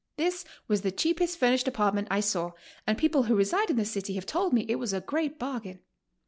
This was the cheap est furnished apartment I saw, and people who reside in the city have told me it was a great bargain.